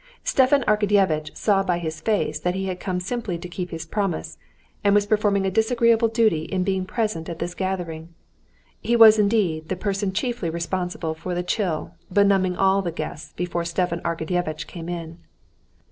Stepan Arkadyevitch saw by his face that he had come simply to keep his promise, and was performing a disagreeable duty in being present at this gathering. He was indeed the person chiefly responsible for the chill benumbing all the guests before Stepan Arkadyevitch came in.